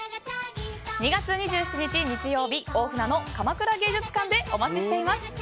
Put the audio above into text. ２月２７日、日曜日大船の鎌倉芸術館でお待ちしています！